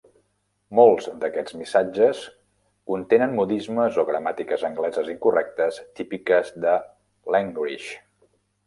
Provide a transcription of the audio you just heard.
Molts d'aquests missatges contenen modismes o gramàtiques angleses incorrectes típiques de "l'Engrish".